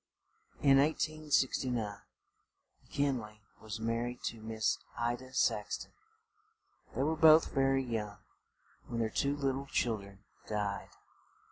In 1869 Mc Kin ley was mar ried to Miss I da Sax ton. They were both very young when their two lit tle chil dren died.